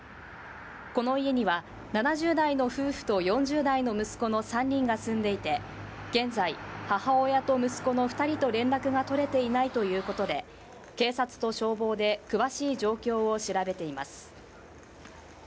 この家には７０代の夫婦と４０代の息子の３人が住んでいて現在、母親と息子の２人と連絡が取れていないということで、警察と消防で詳しい状況を調べています。